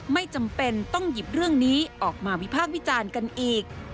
ไม่จำเป็นต้องหยิบเรื่องนี้ออกมาวิพากษ์วิจารณ์กันอีก